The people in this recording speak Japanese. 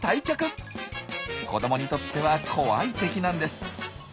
子どもにとっては怖い敵なんです。